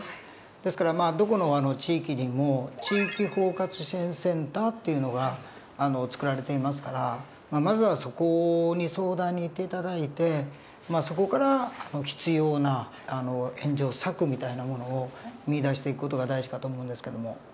ですからどこの地域にも地域包括支援センターっていうのが作られていますからまずはそこに相談に行って頂いてそこから必要な援助策みたいなものを見いだしていく事が大事かと思うんですけども。